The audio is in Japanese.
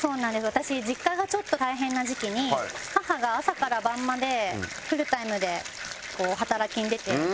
私実家がちょっと大変な時期に母が朝から晩までフルタイムで働きに出て。